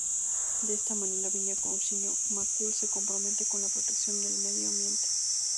De esta manera Viña Cousiño Macul se compromete con la protección del medio ambiente.